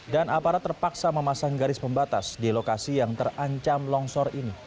dan aparat terpaksa memasang garis pembatas di lokasi yang terancam longsor ini